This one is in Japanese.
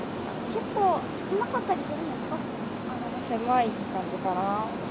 結構、狭かったりするんです狭い感じかな。